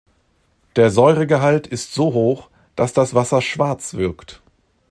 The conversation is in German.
Der Säuregehalt ist so hoch, dass das Wasser schwarz wirkt.